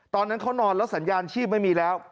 ตอนนั้นเขานอนแล้วสัญญาณชีพไม่มีแล้ว